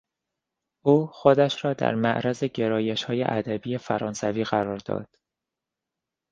او خودش را در معرض گرایشهای ادبی فرانسوی قرار داد.